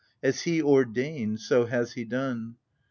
As he ordained, so has he done.